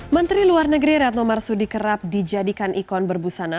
menteri luar negeri retno marsudi kerap dijadikan ikon berbusana